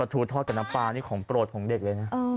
ทูทอดกับน้ำปลานี่ของโปรดของเด็กเลยนะ